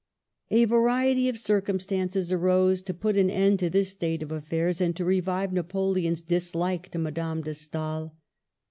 A variety of circumstances arose to put an end to this state of things and to revive Napoleon's dislike to Madame de Stael.